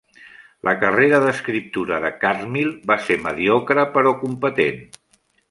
La carrera d'escriptura de Cartmill va ser mediocre però competent.